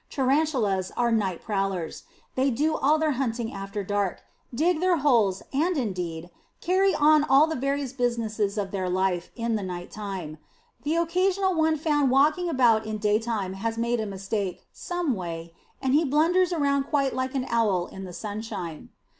Tarantulas are night prowlers; they do all their hunting after dark, dig their holes and, indeed, carry on all the various businesses of their life in the night time. The occasional one found walking about in daytime has made a mistake, someway, and he blunders around quite like an owl in the sunshine.